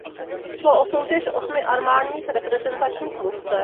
Šlo o soutěž osmi armádních reprezentačních mužstev.